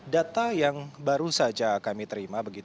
data yang baru saja kami terima